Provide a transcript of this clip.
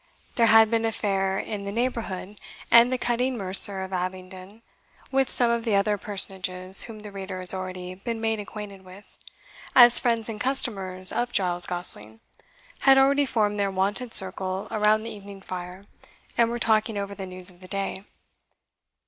There had been a fair in the neighbourhood, and the cutting mercer of Abingdon, with some of the other personages whom the reader has already been made acquainted with, as friends and customers of Giles Gosling, had already formed their wonted circle around the evening fire, and were talking over the news of the day.